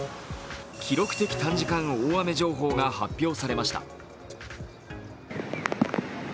記録的短時間大雨情報が発表されました。